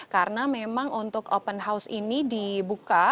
karena memang untuk open house ini dibuka